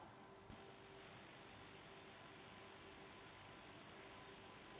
maksudnya kita harus berbicara dengan mereka